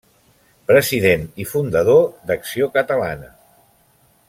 President i fundador d'Acció Catalana.